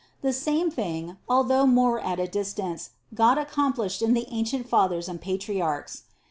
The same thing, although more at a distance, God ac complished in the ancient Fathers and Patriarchs.